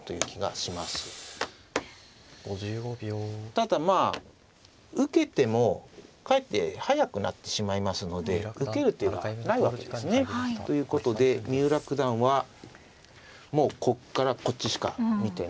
ただまあ受けてもかえって早くなってしまいますので受ける手がないわけですね。ということで三浦九段はもうここからこっちしか見てないのかなと。